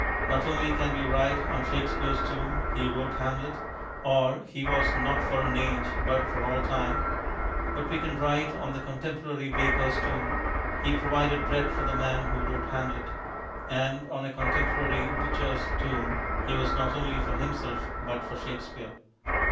Not only can we write on Shakespeare's tomb, "He wrote Hamlet" or "He was not for an age, but for all time," but we can write on a contemporary baker's tomb, "He provided bread for the man who wrote Hamlet," and on a contemporary butcher's tomb, "He was not only for himself, but for Shakespeare."